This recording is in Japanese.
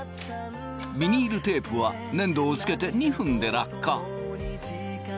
ビニールテープは粘土を付けて２分で落下。